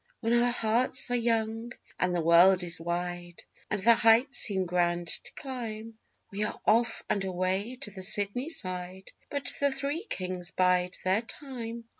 _When our hearts are young and the world is wide, and the heights seem grand to climb We are off and away to the Sydney side; but the Three Kings bide their time.